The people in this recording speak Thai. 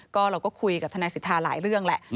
ก็เราก็คุยกับทนายสิทธาหลายเรื่องแหละ